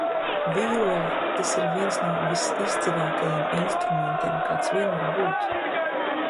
Vijole, tas ir viens no visizcilākajiem instrumentiem, kāds vien var būt.